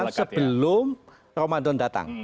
kebiasaan sebelum ramadan datang